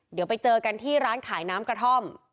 เดี๋ยวไปเจอกันที่ร้านขายน้ำกระท่อม